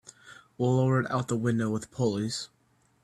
We'll lower it out of the window with pulleys.